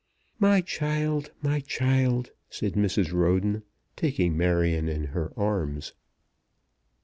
"My child; my child!" said Mrs. Roden, taking Marion in her arms.